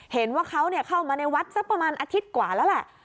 เห็นว่าเขาเข้ามาในวัดสักประมาณอาทิตย์กว่าแล้วแหละ